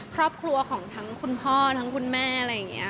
ครอบครัวของทั้งคุณพ่อทั้งคุณแม่อะไรอย่างนี้